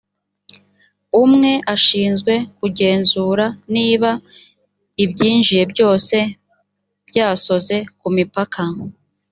umwe ashinzwe kugenzura niba ibyinjiye byose byasoze ku mipaka